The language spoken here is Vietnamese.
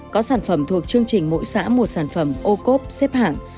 có sản phẩm thuộc chương trình mỗi xã một sản phẩm ô cốp xếp hạng